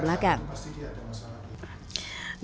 tentang kondisi tulang belakang